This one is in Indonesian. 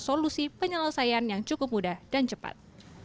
solusi penyelesaian yang cukup mudah dan cepat